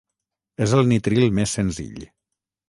És el nitril més senzill.